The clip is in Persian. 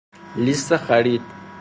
لیست خرید